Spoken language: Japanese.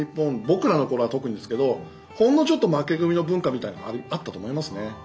僕らの頃は特にですけどほんのちょっと「負け組の文化」みたいなのがあったと思いますね。